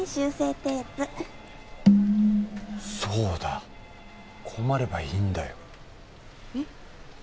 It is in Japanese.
テープそうだ困ればいいんだよえっ？